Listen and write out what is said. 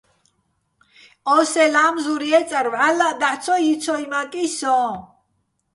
ო სეჼ ლამზურ ჲე́წარ ვჵალლაჸ დაჰ̦ ცო ჲიცოჲმაკი სოჼ.